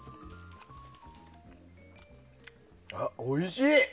おいしい！